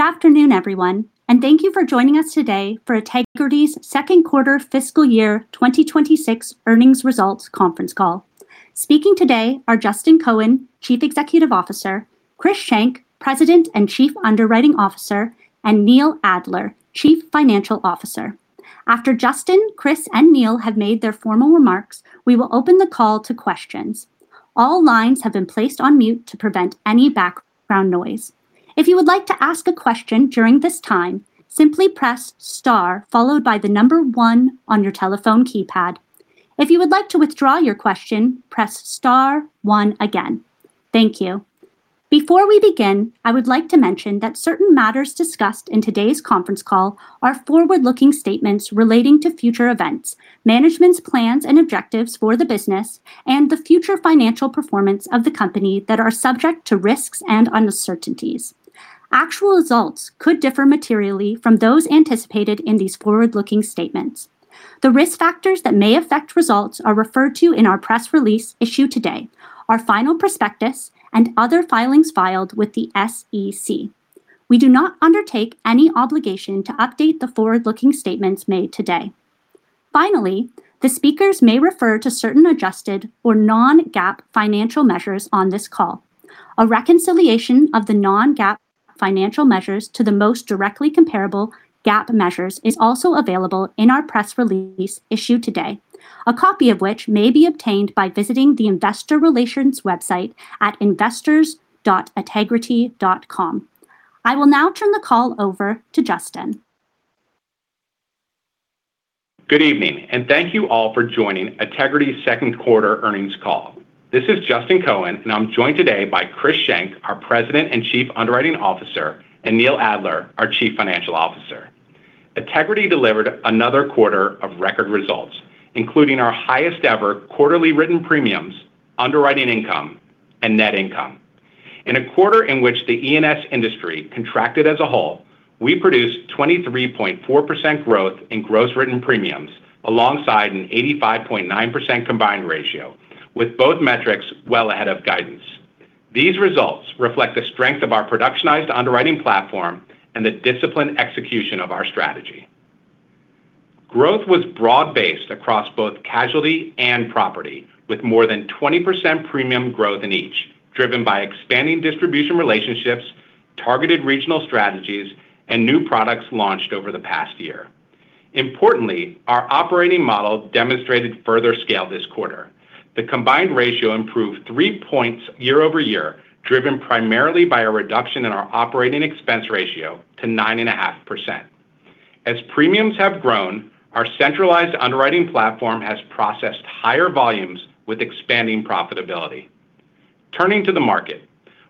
Good afternoon, everyone, and thank you for joining us today for Ategrity's second quarter fiscal year 2026 earnings results conference call. Speaking today are Justin Cohen, Chief Executive Officer, Chris Schenk, President and Chief Underwriting Officer, and Neil Adler, Chief Financial Officer. After Justin, Chris, and Neil have made their formal remarks, we will open the call to questions. All lines have been placed on mute to prevent any background noise. If you would like to ask a question during this time, simply press star followed by the number one on your telephone keypad. If you would like to withdraw your question, press star one again. Thank you. Before we begin, I would like to mention that certain matters discussed in today's conference call are forward-looking statements relating to future events, management's plans and objectives for the business, and the future financial performance of the company that are subject to risks and uncertainties. Actual results could differ materially from those anticipated in these forward-looking statements. The risk factors that may affect results are referred to in our press release issued today, our final prospectus, and other filings filed with the SEC. We do not undertake any obligation to update the forward-looking statements made today. Finally, the speakers may refer to certain adjusted or non-GAAP financial measures on this call. A reconciliation of the non-GAAP financial measures to the most directly comparable GAAP measures is also available in our press release issued today, a copy of which may be obtained by visiting the investor relations website at investors.ategrity.com. I will now turn the call over to Justin. Good evening, and thank you all for joining Ategrity's second quarter earnings call. This is Justin Cohen, and I'm joined today by Chris Schenk, our President and Chief Underwriting Officer, and Neil Adler, our Chief Financial Officer. Ategrity delivered another quarter of record results, including our highest-ever quarterly written premiums, underwriting income, and net income. In a quarter in which the E&S industry contracted as a whole, we produced 23.4% growth in gross written premiums alongside an 85.9% combined ratio, with both metrics well ahead of guidance. These results reflect the strength of our productionized underwriting platform and the disciplined execution of our strategy. Growth was broad-based across both casualty and property, with more than 20% premium growth in each, driven by expanding distribution relationships, targeted regional strategies, and new products launched over the past year. Importantly, our operating model demonstrated further scale this quarter. The combined ratio improved 3 points year-over-year, driven primarily by a reduction in our operating expense ratio to 9.5%. As premiums have grown, our centralized underwriting platform has processed higher volumes with expanding profitability. Turning to the market.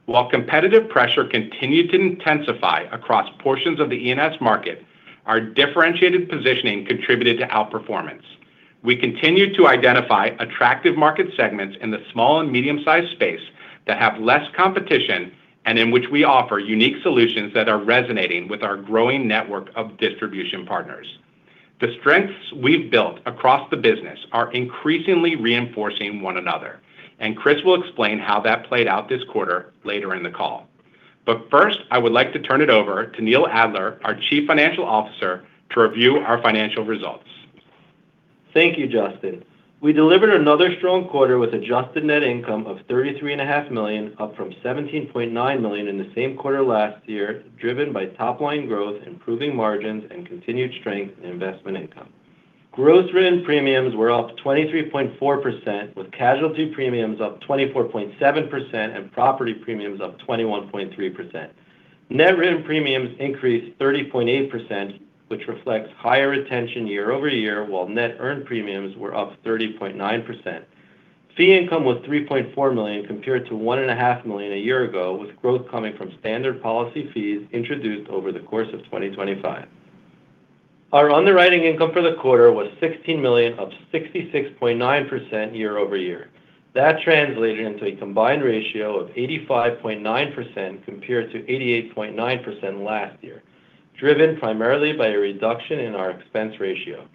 While competitive pressure continued to intensify across portions of the E&S market, our differentiated positioning contributed to outperformance. We continue to identify attractive market segments in the small and medium-sized space that have less competition and in which we offer unique solutions that are resonating with our growing network of distribution partners. The strengths we've built across the business are increasingly reinforcing one another, and Chris will explain how that played out this quarter later in the call. First, I would like to turn it over to Neil Adler, our Chief Financial Officer, to review our financial results. Thank you, Justin. We delivered another strong quarter with adjusted net income of $33.5 million up from $17.9 million in the same quarter last year, driven by top-line growth, improving margins, and continued strength in investment income. Gross written premiums were up 23.4%, with casualty premiums up 24.7% and property premiums up 21.3%. Net written premiums increased 30.8%, which reflects higher retention year-over-year, while net earned premiums were up 30.9%. Fee income was $3.4 million compared to $1.5 million a year ago, with growth coming from standard policy fees introduced over the course of 2025. Our underwriting income for the quarter was $16 million, up 66.9% year-over-year. That translated into a combined ratio of 85.9% compared to 88.9% last year, driven primarily by a reduction in our expense ratio.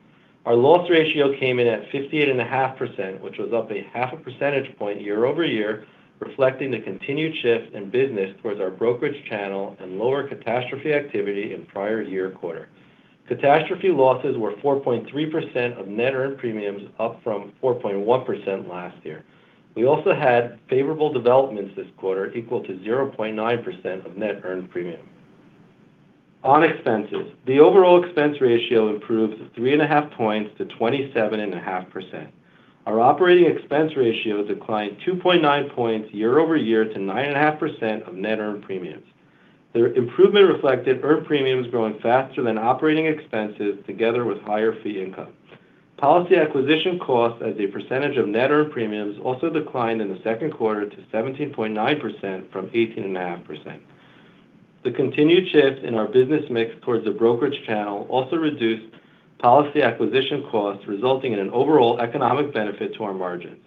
Our loss ratio came in at 58.5%, which was up 0.5 percentage point year-over-year, reflecting the continued shift in business towards our brokerage channel and lower catastrophe activity in prior year quarter. Catastrophe losses were 4.3% of net earned premiums, up from 4.1% last year. We also had favorable developments this quarter equal to 0.9% of net earned premium. On expenses, the overall expense ratio improved 3.5 points to 27.5%. Our operating expense ratio declined 2.9 points year-over-year to 9.5% of net earned premiums. The improvement reflected earned premiums growing faster than operating expenses together with higher fee income. Policy acquisition costs as a percentage of net earned premiums also declined in the second quarter to 17.9% from 18.5%. The continued shift in our business mix towards the brokerage channel also reduced policy acquisition costs, resulting in an overall economic benefit to our margins.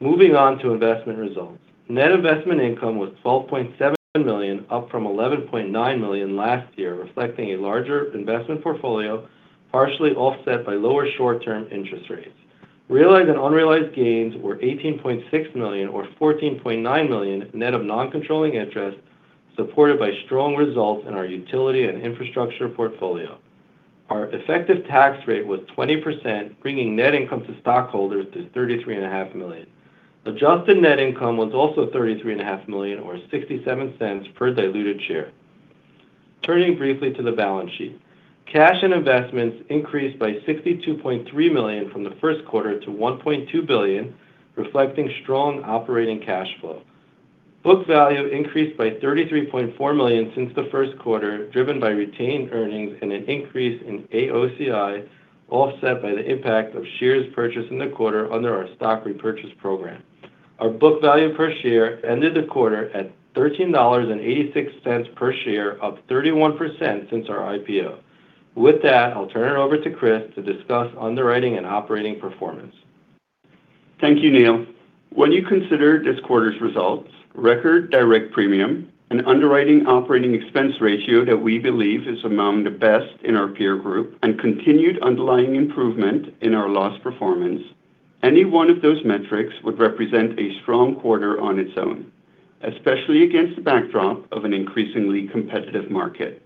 Moving on to investment results. Net investment income was $12.7 million, up from $11.9 million last year, reflecting a larger investment portfolio, partially offset by lower short-term interest rates. Realized and unrealized gains were $18.6 million or $14.9 million net of non-controlling interest supported by strong results in our utility and infrastructure portfolio. Our effective tax rate was 20%, bringing net income to stockholders to $33.5 million. Adjusted net income was also $33.5 million, or $0.67 per diluted share. Turning briefly to the balance sheet, cash and investments increased by $62.3 million from the first quarter to $1.2 billion, reflecting strong operating cash flow. Book value increased by $33.4 million since the first quarter, driven by retained earnings and an increase in AOCI, offset by the impact of shares purchased in the quarter under our stock repurchase program. Our book value per share ended the quarter at $13.86 per share, up 31% since our IPO. With that, I'll turn it over to Chris to discuss underwriting and operating performance. Thank you, Neil. When you consider this quarter's results, record direct premium, an underwriting operating expense ratio that we believe is among the best in our peer group, and continued underlying improvement in our loss performance, any one of those metrics would represent a strong quarter on its own, especially against the backdrop of an increasingly competitive market.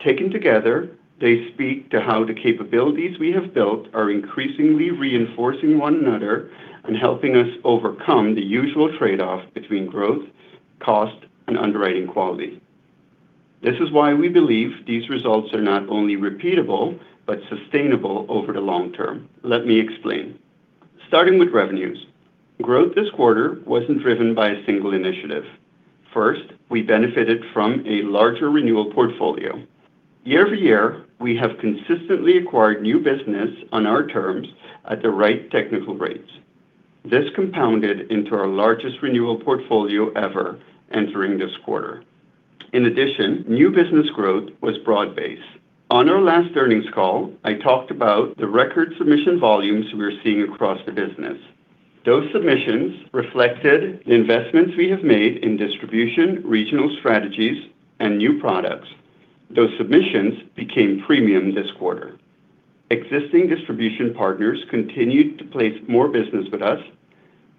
Taken together, they speak to how the capabilities we have built are increasingly reinforcing one another and helping us overcome the usual trade-off between growth, cost, and underwriting quality. This is why we believe these results are not only repeatable, but sustainable over the long term. Let me explain. Starting with revenues. Growth this quarter wasn't driven by a single initiative. First, we benefited from a larger renewal portfolio. Year-over-year, we have consistently acquired new business on our terms at the right technical rates. This compounded into our largest renewal portfolio ever entering this quarter. In addition, new business growth was broad-based. On our last earnings call, I talked about the record submission volumes we're seeing across the business. Those submissions reflected the investments we have made in distribution, regional strategies, and new products. Those submissions became premium this quarter. Existing distribution partners continued to place more business with us.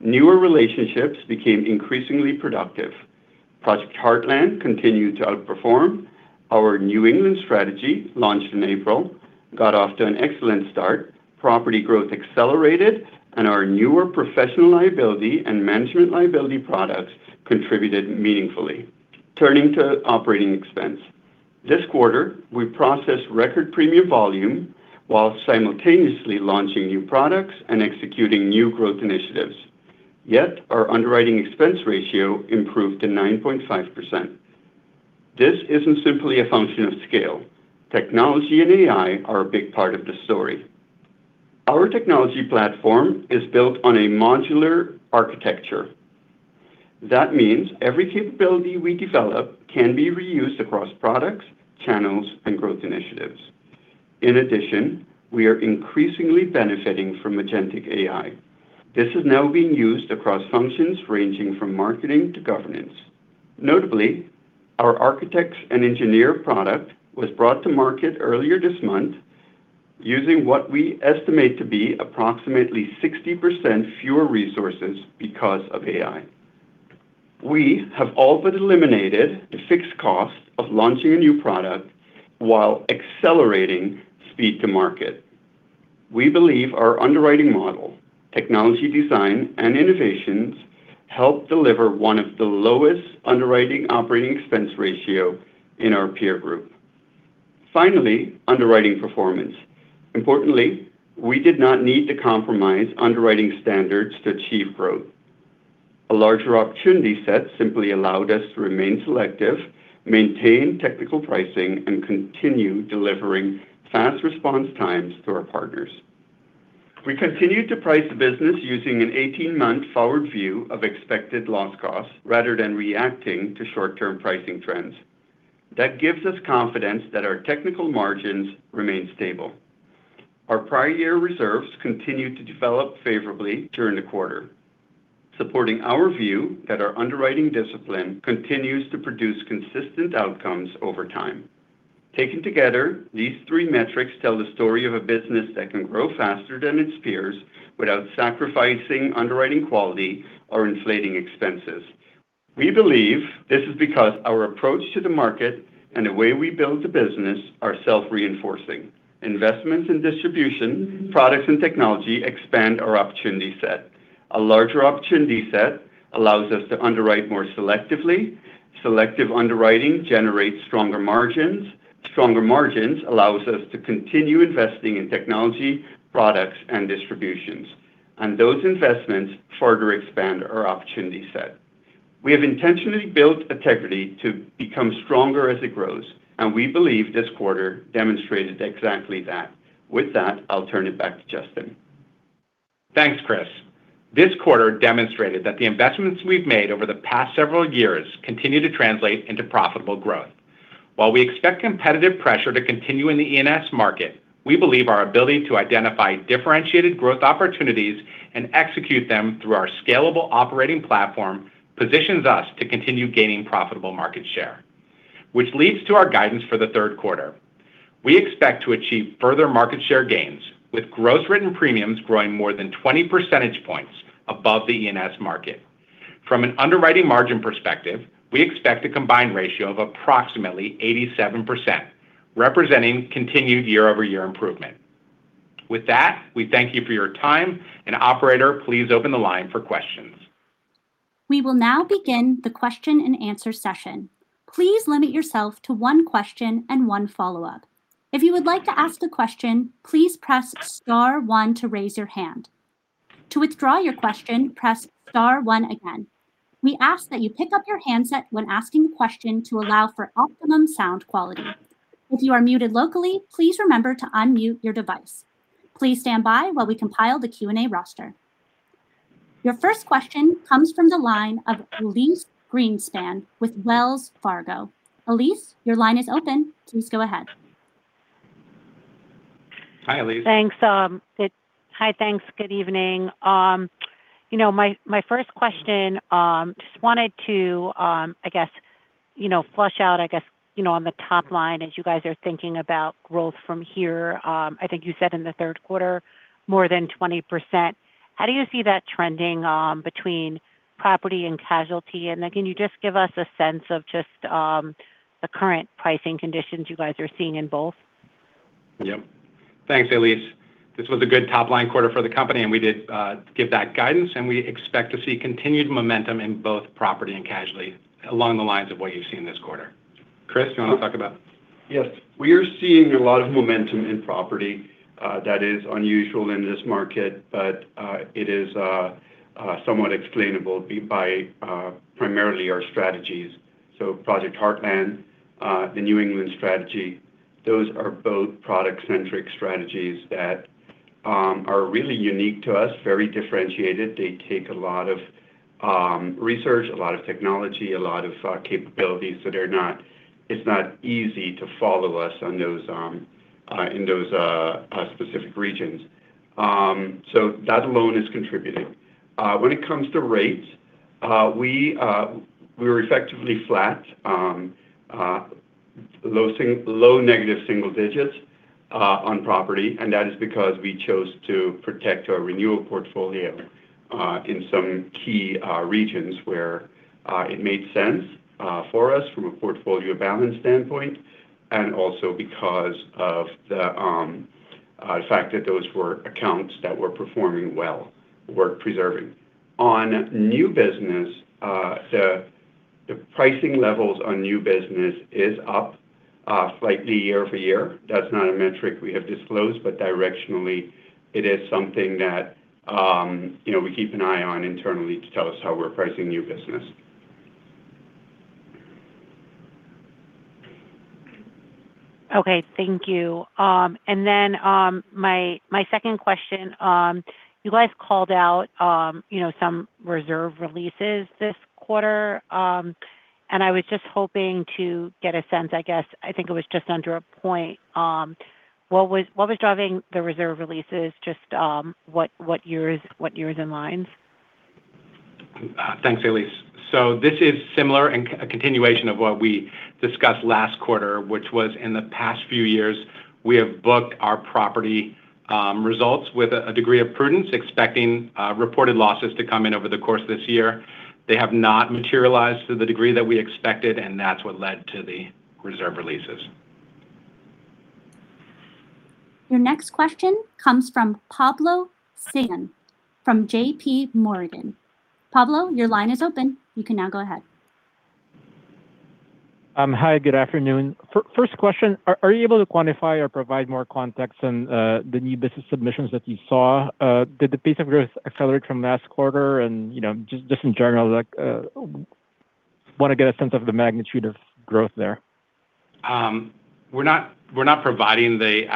Newer relationships became increasingly productive. Project Heartland continued to outperform. Our New England Strategy, launched in April, got off to an excellent start. Property growth accelerated, and our newer professional liability and management liability products contributed meaningfully. Turning to operating expense. This quarter, we processed record premium volume while simultaneously launching new products and executing new growth initiatives. Yet, our underwriting expense ratio improved to 9.5%. This isn't simply a function of scale. Technology and AI are a big part of the story. Our technology platform is built on a modular architecture. That means every capability we develop can be reused across products, channels, and growth initiatives. In addition, we are increasingly benefiting from agentic AI. This is now being used across functions ranging from marketing to governance. Notably, our Architects and Engineers product was brought to market earlier this month using what we estimate to be approximately 60% fewer resources because of AI. We have all but eliminated the fixed cost of launching a new product while accelerating speed to market. We believe our underwriting model, technology design, and innovations help deliver one of the lowest underwriting operating expense ratio in our peer group. Finally, underwriting performance. Importantly, we did not need to compromise underwriting standards to achieve growth. A larger opportunity set simply allowed us to remain selective, maintain technical pricing, and continue delivering fast response times to our partners. We continued to price the business using an 18-month forward view of expected loss costs rather than reacting to short-term pricing trends. That gives us confidence that our technical margins remain stable. Our prior year reserves continued to develop favorably during the quarter, supporting our view that our underwriting discipline continues to produce consistent outcomes over time. Taken together, these three metrics tell the story of a business that can grow faster than its peers without sacrificing underwriting quality or inflating expenses. We believe this is because our approach to the market and the way we build the business are self-reinforcing. Investments in distribution, products, and technology expand our opportunity set. A larger opportunity set allows us to underwrite more selectively. Selective underwriting generates stronger margins. Stronger margins allows us to continue investing in technology, products, and distributions. Those investments further expand our opportunity set. We have intentionally built Ategrity to become stronger as it grows. We believe this quarter demonstrated exactly that. With that, I'll turn it back to Justin. Thanks, Chris. This quarter demonstrated that the investments we've made over the past several years continue to translate into profitable growth. While we expect competitive pressure to continue in the E&S market, we believe our ability to identify differentiated growth opportunities and execute them through our scalable operating platform positions us to continue gaining profitable market share. Which leads to our guidance for the third quarter. We expect to achieve further market share gains, with gross written premiums growing more than 20 percentage points above the E&S market. From an underwriting margin perspective, we expect a combined ratio of approximately 87%, representing continued year-over-year improvement. With that, we thank you for your time, and operator, please open the line for questions. We will now begin the question-and-answer session. Please limit yourself to one question and one follow-up. If you would like to ask a question, please press star one to raise your hand. To withdraw your question, press star one again. We ask that you pick up your handset when asking a question to allow for optimum sound quality. If you are muted locally, please remember to unmute your device. Please stand by while we compile the Q&A roster. Your first question comes from the line of Elyse Greenspan with Wells Fargo. Elyse, your line is open. Please go ahead. Hi, Elyse. Hi, thanks. Good evening. My first question, just wanted to flush out on the top line as you guys are thinking about growth from here. I think you said in the third quarter, more than 20%. How do you see that trending between property and casualty? Can you just give us a sense of just the current pricing conditions you guys are seeing in both? Yep. Thanks, Elyse. This was a good top-line quarter for the company. We did give that guidance, and we expect to see continued momentum in both property and casualty along the lines of what you've seen this quarter. Chris, you want to talk? Yes, we are seeing a lot of momentum in property. That is unusual in this market, but it is somewhat explainable by primarily our strategies. Project Heartland, the New England strategy, those are both product-centric strategies that are really unique to us, very differentiated. They take a lot of research, a lot of technology, a lot of capabilities, it's not easy to follow us in those specific regions. That alone is contributing. When it comes to rates, we're effectively flat. Low negative single digits on property, that is because we chose to protect our renewal portfolio in some key regions where it made sense for us from a portfolio balance standpoint, also because of the fact that those were accounts that were performing well, worth preserving. On new business, the pricing levels on new business is up slightly year-over-year. That's not a metric we have disclosed, directionally it is something that we keep an eye on internally to tell us how we're pricing new business. Okay, thank you. My second question, you guys called out some reserve releases this quarter, I was just hoping to get a sense, I guess. I think it was just under a point. What was driving the reserve releases? Just what years and lines? Thanks, Elyse. This is similar a continuation of what we discussed last quarter, which was in the past few years, we have booked our property results with a degree of prudence, expecting reported losses to come in over the course of this year. They have not materialized to the degree that we expected, that's what led to the reserve releases. Your next question comes from Pablo Singzon from JPMorgan. Pablo, your line is open. You can now go ahead. Hi, good afternoon. First question, are you able to quantify or provide more context on the new business submissions that you saw? Did the pace of growth accelerate from last quarter? Just in general, want to get a sense of the magnitude of growth there. We're not providing the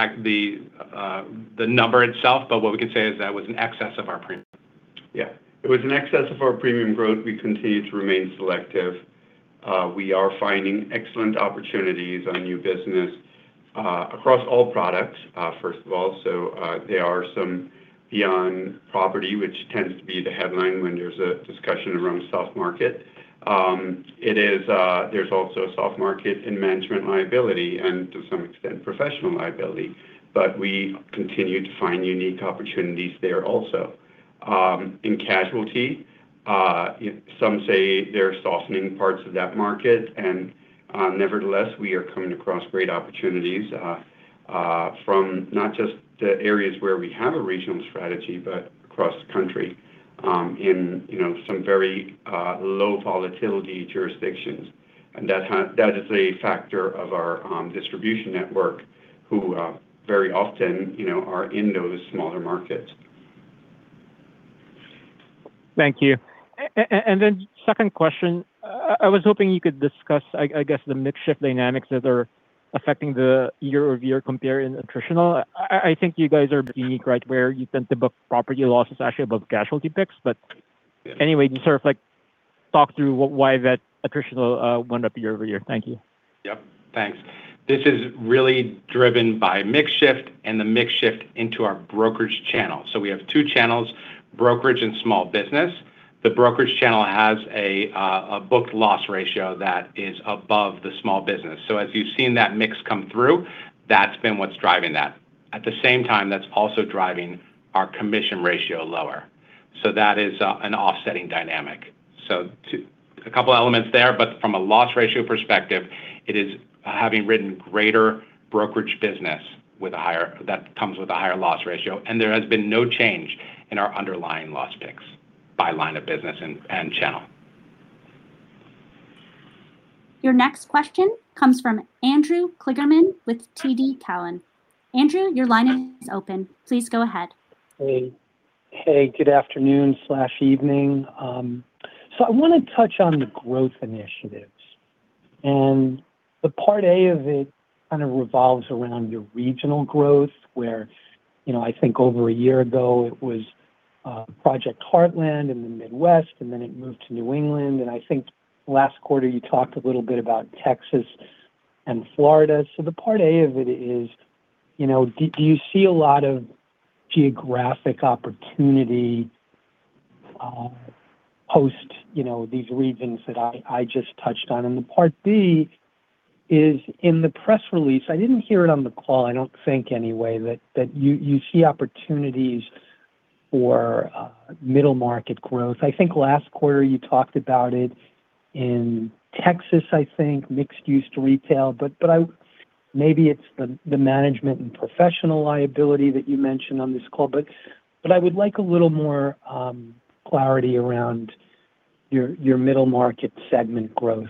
number itself, but what we can say is that was in excess of our premium. Yeah. It was in excess of our premium growth. We continue to remain selective. We are finding excellent opportunities on new business across all products, first of all. There are some beyond property, which tends to be the headline when there's a discussion around soft market. There's also a soft market in management liability and to some extent professional liability. We continue to find unique opportunities there also. In casualty, some say they're softening parts of that market, nevertheless, we are coming across great opportunities from not just the areas where we have a regional strategy, but cross-country, in some very low volatility jurisdictions. That is a factor of our distribution network, who very often are in those smaller markets. Thank you. Second question, I was hoping you could discuss the mix shift dynamics that are affecting the year-over-year compare in attritional. I think you guys are unique, right? Where you tend to book property losses actually above casualty picks. Can you talk through why that attritional wound up year-over-year? Thank you. Yep. Thanks. This is really driven by mix shift and the mix shift into our brokerage channel. We have two channels, brokerage and small business. The brokerage channel has a booked loss ratio that is above the small business. As you've seen that mix come through, that's been what's driving that. At the same time, that's also driving our commission ratio lower. That is an offsetting dynamic. A couple elements there, but from a loss ratio perspective, it is having written greater brokerage business that comes with a higher loss ratio, and there has been no change in our underlying loss picks by line of business and channel. Your next question comes from Andrew Kligerman with TD Cowen. Andrew, your line is open. Please go ahead. Hey, good afternoon/evening. I want to touch on the growth initiatives. The part A of it kind of revolves around your regional growth, where I think over a year ago it was Project Heartland in the Midwest, and then it moved to New England, and I think last quarter you talked a little bit about Texas and Florida. The part A of it is, do you see a lot of geographic opportunity post these regions that I just touched on? The part B is in the press release, I didn't hear it on the call, I don't think anyway, that you see opportunities for middle market growth. I think last quarter you talked about it in Texas, I think, mixed use to retail. Maybe it's the management and professional liability that you mentioned on this call. I would like a little more clarity around your middle market segment growth.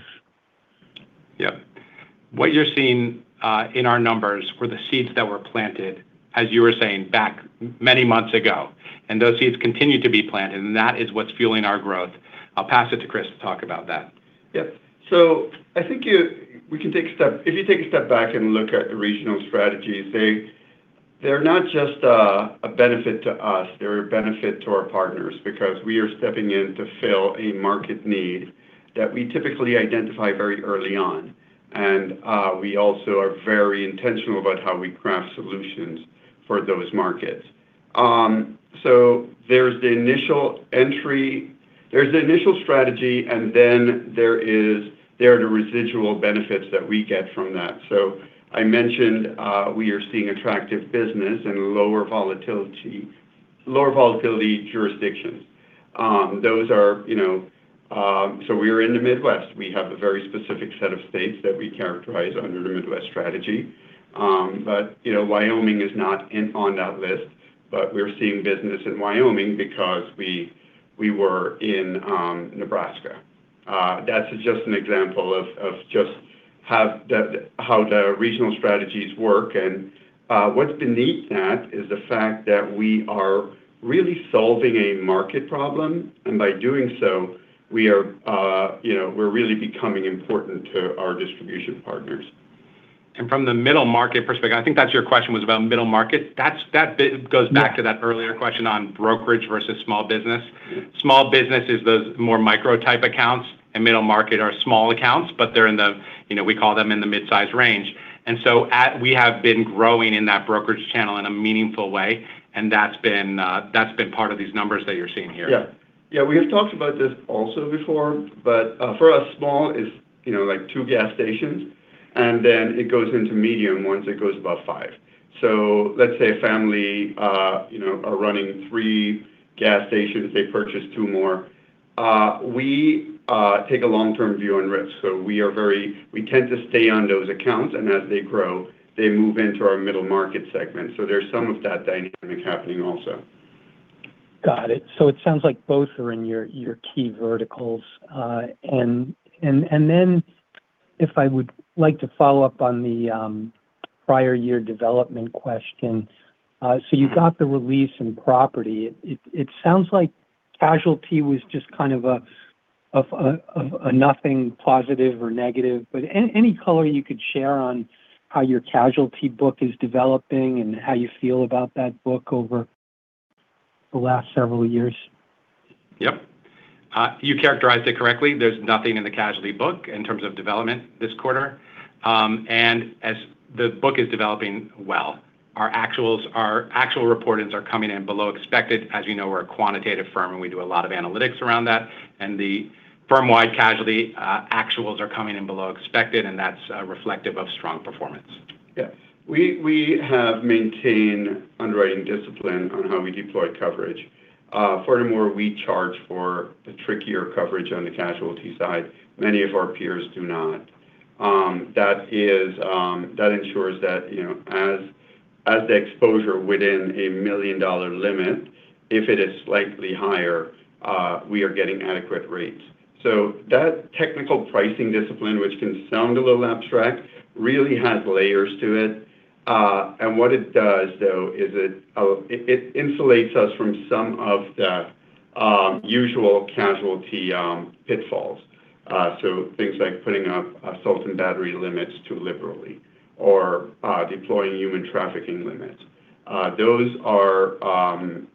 Yeah. What you're seeing in our numbers were the seeds that were planted, as you were saying, back many months ago. Those seeds continue to be planted, and that is what's fueling our growth. I'll pass it to Chris to talk about that. Yeah. I think if you take a step back and look at the regional strategies, they're not just a benefit to us, they're a benefit to our partners because we are stepping in to fill a market need that we typically identify very early on. We also are very intentional about how we craft solutions for those markets. There's the initial strategy, and then there are the residual benefits that we get from that. I mentioned we are seeing attractive business in lower volatility jurisdictions. We are in the Midwest, we have a very specific set of states that we characterize under the Midwest strategy. Wyoming is not on that list, but we're seeing business in Wyoming because we were in Nebraska. That's just an example of just how the regional strategies work. What's beneath that is the fact that we are really solving a market problem. By doing so, we're really becoming important to our distribution partners. From the middle market perspective, I think that's your question was about middle market. That bit goes back to that earlier question on brokerage versus small business. Small business is those more micro type accounts, and middle market are small accounts, but we call them in the mid-size range. We have been growing in that brokerage channel in a meaningful way, and that's been part of these numbers that you're seeing here. Yeah. We have talked about this also before, but for us, small is like two gas stations, and then it goes into medium once it goes above five. Let's say a family are running three gas stations, they purchase two more. We take a long-term view on risk. We tend to stay on those accounts, and as they grow, they move into our middle market segment. There's some of that dynamic happening also. Got it. It sounds like both are in your key verticals. If I would like to follow up on the prior year development question. You've got the release in property. It sounds like casualty was just kind of a nothing positive or negative, but any color you could share on how your casualty book is developing and how you feel about that book over the last several years? Yep, you characterized it correctly. There's nothing in the casualty book in terms of development this quarter. As the book is developing well, our actual reportings are coming in below expected. As you know, we're a quantitative firm, and we do a lot of analytics around that. The firm-wide casualty actuals are coming in below expected, and that's reflective of strong performance. Yeah, we have maintained underwriting discipline on how we deploy coverage. Furthermore, we charge for the trickier coverage on the casualty side. Many of our peers do not. That ensures that as the exposure within a $1 million limit, if it is slightly higher, we are getting adequate rates. That technical pricing discipline, which can sound a little abstract, really has layers to it. What it does, though, is it insulates us from some of the usual casualty pitfalls. Things like putting up assault and battery limits too liberally or deploying human trafficking limits.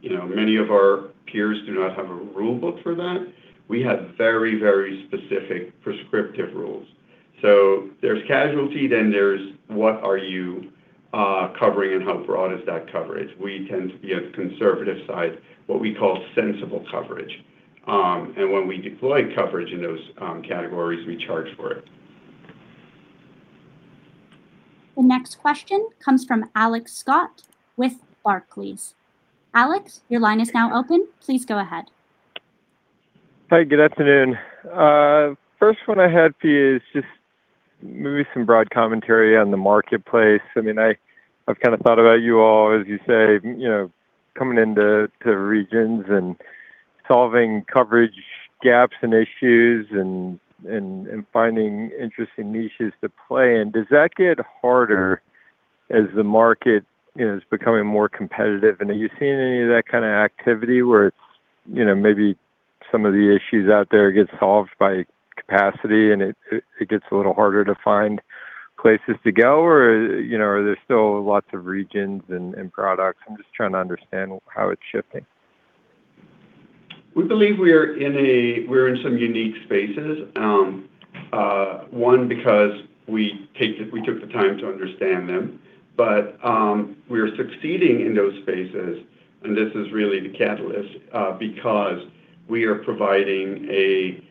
Many of our peers do not have a rule book for that. We have very specific prescriptive rules. There's casualty, then there's what are you covering and how broad is that coverage? We tend to be on the conservative side, what we call sensible coverage. When we deploy coverage in those categories, we charge for it. The next question comes from Alex Scott with Barclays. Alex, your line is now open. Please go ahead. Hi, good afternoon. First one I had for you is just maybe some broad commentary on the marketplace. I've kind of thought about you all as you say, coming into regions and solving coverage gaps and issues and finding interesting niches to play in. Does that get harder as the market is becoming more competitive? Are you seeing any of that kind of activity where maybe some of the issues out there get solved by capacity and it gets a little harder to find places to go? Is there still lots of regions and products? I'm just trying to understand how it's shifting. We believe we're in some unique spaces. One, because we took the time to understand them, but we are succeeding in those spaces, and this is really the catalyst, because we are providing a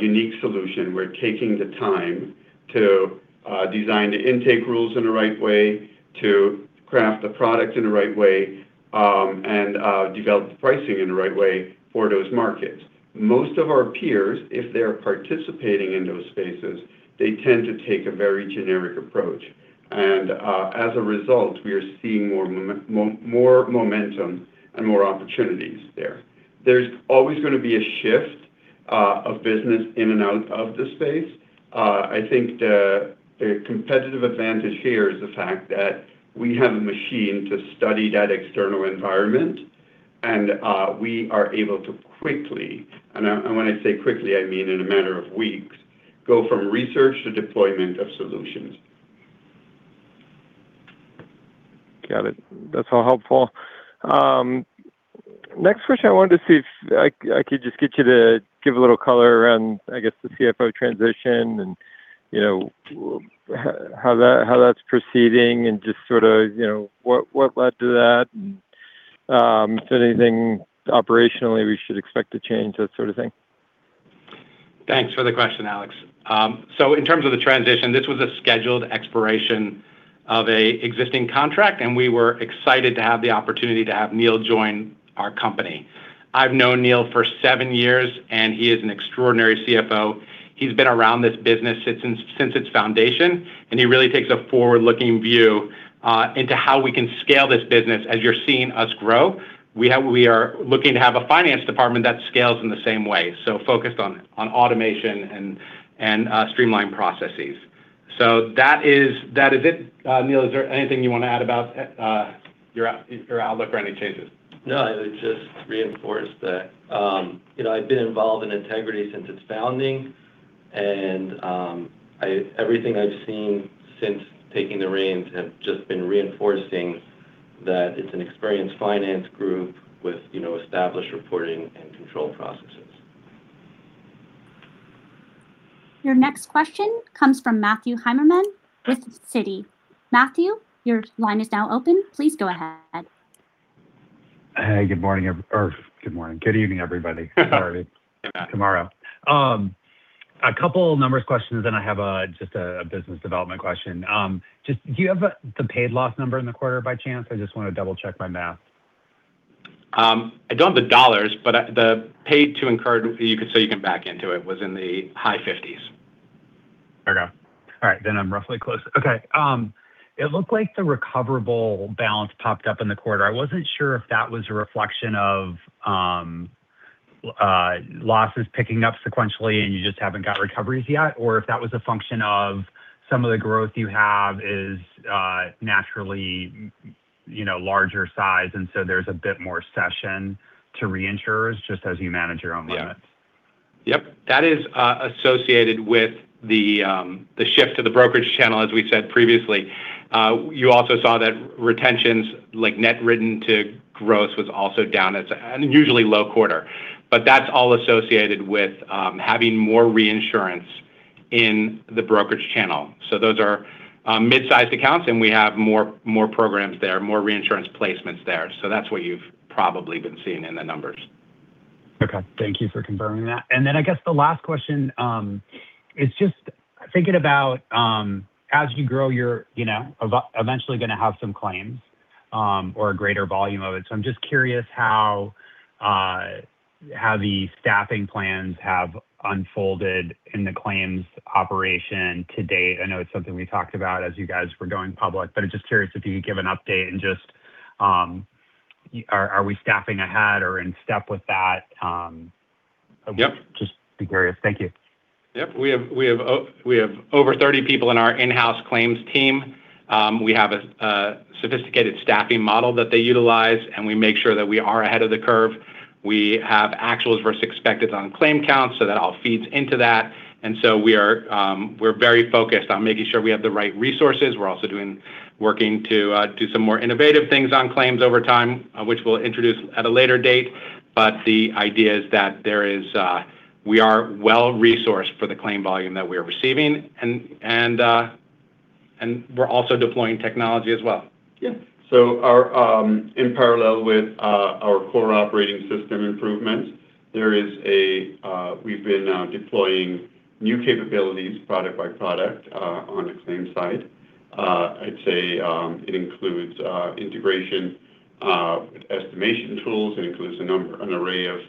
unique solution. We're taking the time to design the intake rules in the right way, to craft the product in the right way, and develop the pricing in the right way for those markets. Most of our peers, if they're participating in those spaces, they tend to take a very generic approach. As a result, we are seeing more momentum and more opportunities there. There's always going to be a shift of business in and out of the space. I think the competitive advantage here is the fact that we have a machine to study that external environment and we are able to quickly, and when I say quickly, I mean in a matter of weeks, go from research to deployment of solutions. Got it. That's all helpful. Next question, I wanted to see if I could just get you to give a little color around, I guess, the CFO transition and how that's proceeding and just what led to that and if there's anything operationally we should expect to change, that sort of thing. Thanks for the question, Alex. In terms of the transition, this was a scheduled expiration of an existing contract, and we were excited to have the opportunity to have Neil join our company. I've known Neil for seven years, and he is an extraordinary CFO. He's been around this business since its foundation, and he really takes a forward-looking view into how we can scale this business. As you're seeing us grow, we are looking to have a finance department that scales in the same way, so focused on automation and streamlined processes. That is it. Neil, is there anything you want to add about your outlook or any changes? I would just reinforce that I've been involved in Ategrity since its founding and everything I've seen since taking the reins has just been reinforcing that it's an experienced finance group with established reporting and control processes. Your next question comes from Matthew Heimermann with Citi. Matthew, your line is now open. Please go ahead. Good evening, everybody. It's Saturday tomorrow. A couple numbers questions. I have just a business development question. Just do you have the paid loss number in the quarter by chance? I just want to double-check my math. I don't have the dollars, the paid to incurred, so you can back into it, was in the high 50s. Okay. All right, I'm roughly close. It looked like the recoverable balance popped up in the quarter. I wasn't sure if that was a reflection of losses picking up sequentially and you just haven't got recoveries yet, or if that was a function of some of the growth you have is naturally larger size, there's a bit more cession to reinsurers just as you manage your own limits. Yep. That is associated with the shift to the brokerage channel, as we said previously. You also saw that retentions like net written to gross was also down. It's an unusually low quarter. That's all associated with having more reinsurance in the brokerage channel. Those are mid-sized accounts, and we have more programs there, more reinsurance placements there. That's what you've probably been seeing in the numbers. Okay, thank you for confirming that. I guess the last question is just thinking about as you grow, you're eventually going to have some claims or a greater volume of it. I'm just curious how the staffing plans have unfolded in the claims operation to date. I know it's something we talked about as you guys were going public, but just curious if you could give an update and just are we staffing ahead or in step with that? Yep. Just curious. Thank you. Yep. We have over 30 people in our in-house claims team. We have a sophisticated staffing model that they utilize. We make sure that we are ahead of the curve. We have actuals versus expecteds on claim counts. That all feeds into that. We're very focused on making sure we have the right resources. We're also working to do some more innovative things on claims over time, which we'll introduce at a later date. The idea is that we are well resourced for the claim volume that we are receiving and we're also deploying technology as well. Yeah. In parallel with our core operating system improvements, we've been deploying new capabilities product by product on the claims side. I'd say it includes integration estimation tools. It includes an array of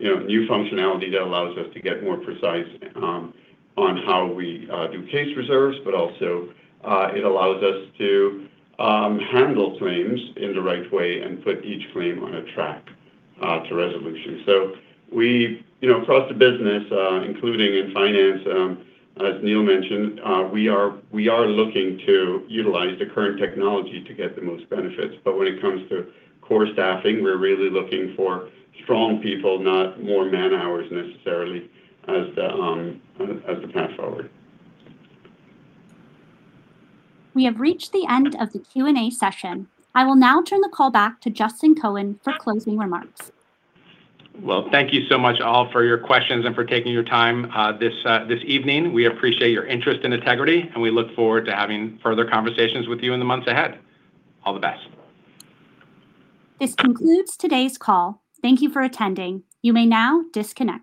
new functionality that allows us to get more precise on how we do case reserves. It allows us to handle claims in the right way and put each claim on a track to resolution. Across the business, including in finance as Neil mentioned, we are looking to utilize the current technology to get the most benefits. When it comes to core staffing, we're really looking for strong people, not more man-hours necessarily as the path forward. We have reached the end of the Q&A session. I will now turn the call back to Justin Cohen for closing remarks. Thank you so much all for your questions and for taking your time this evening. We appreciate your interest in Ategrity, and we look forward to having further conversations with you in the months ahead. All the best. This concludes today's call. Thank you for attending. You may now disconnect.